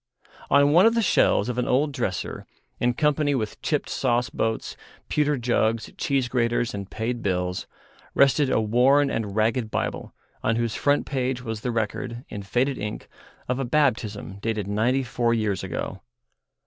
On one of the shelves of an old dresser, in company with chipped sauce boats, pewter jugs, cheese graters, and paid bills, rested a worn and ragged Bible, on whose front page was the record, in faded ink, of a baptism dated ninety four years ago.